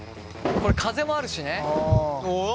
これ風もあるしね。